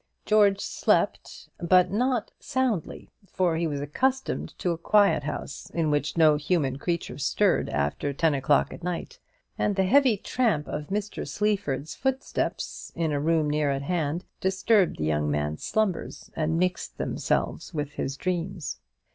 George slept, but not soundly; for he was accustomed to a quiet house, in which no human creature stirred after ten o'clock at night; and the heavy tramp of Mr. Sleaford's footsteps in a room near at hand disturbed the young man's slumbers, and mixed themselves with his dreams.